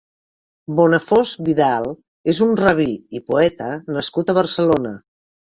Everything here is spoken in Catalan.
Bonafós Vidal és un rabí i poeta nascut a Barcelona.